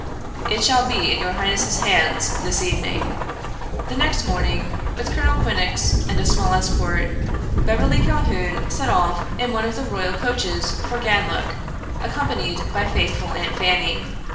"It shall be in your highness's hands this evening." The next morning, with Colonel Quinnox and a small escort, Beverly Calhoun set off in one of the royal coaches for Ganlook, accompanied by faithful Aunt Fanny.